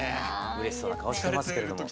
うれしそうな顔してますけれども。